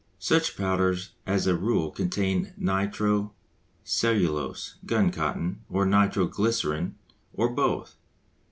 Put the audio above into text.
Such powders as a rule contain nitro cellulose (gun cotton) or nitro glycerine, or both.